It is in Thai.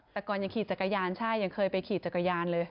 แต่ก่อนยังขี่จักรยานใช่ยังเคยไปขี่จักรยานเลย